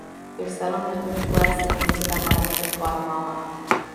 Their settlement moved west and into the highlands of Guatemala.